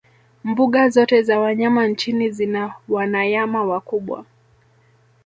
mbuga zote za wanyama nchini zina wanayama wakubwa